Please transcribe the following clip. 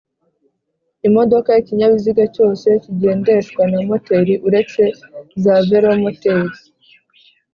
ImodokaIkinyabiziga cyose kigendeshwa na moteri uretse za velomoteri,